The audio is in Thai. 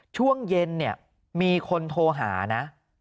ช่วงเย็นมีคนโทรหานะ